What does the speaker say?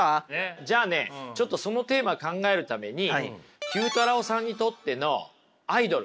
じゃあねちょっとそのテーマ考えるために９太郎さんにとってのアイドル。